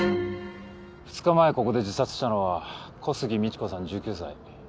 ２日前ここで自殺したのは小杉美智子さん１９歳。